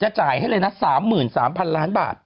จ่ายให้เลยนะ๓๓๐๐๐ล้านบาท